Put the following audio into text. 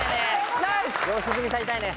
良純さん痛いね。